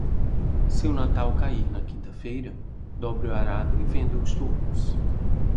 Se o Natal cair na quinta-feira, dobre o arado e venda os touros.